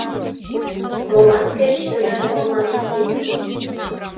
Молан верч тынар орланен илем?